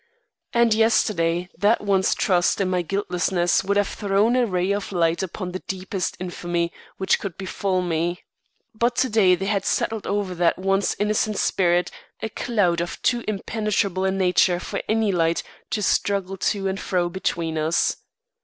And yesterday that one's trust in my guiltlessness would have thrown a ray of light upon the deepest infamy which could befall me. But to day there had settled over that once innocent spirit, a cloud of too impenetrable a nature for any light to struggle to and fro between us.